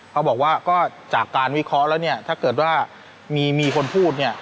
เขาบอกว่าก็จากการวิเคราะห์แล้วเนี่ยถ้าเกิดว่ามีคนพูดเนี่ย